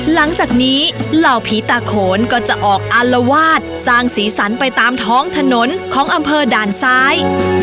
หลังจากนี้เหล่าผีตาโขนก็จะออกอารวาสสร้างสีสันไปตามท้องถนนของอำเภอด่านซ้าย